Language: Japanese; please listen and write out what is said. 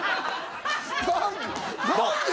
何で？